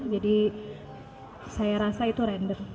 jadi saya rasa itu random